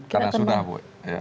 karena sudah bu